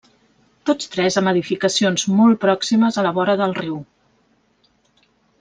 Tots tres amb edificacions molt pròximes a la vora del riu.